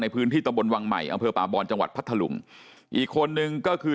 พื้นที่ตะบนวังใหม่อำเภอป่าบอนจังหวัดพัทธลุงอีกคนนึงก็คือ